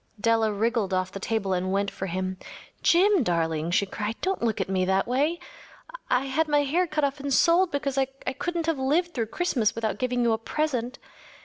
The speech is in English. Della wriggled off the table and went for him. “Jim, darling,‚ÄĚ she cried, “don’t look at me that way. I had my hair cut off and sold because I couldn’t have lived through Christmas without giving you a present.